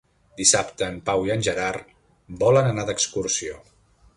Dissabte en Pau i en Gerard volen anar d'excursió.